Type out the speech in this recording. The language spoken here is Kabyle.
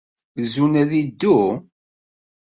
Zun ad iddu?